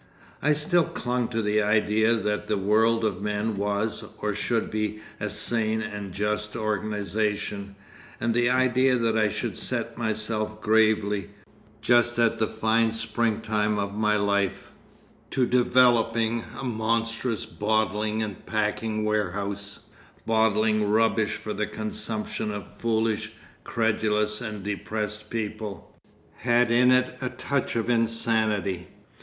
I still clung to the idea that the world of men was or should be a sane and just organisation, and the idea that I should set myself gravely, just at the fine springtime of my life, to developing a monstrous bottling and packing warehouse, bottling rubbish for the consumption of foolish, credulous and depressed people, had in it a touch of insanity.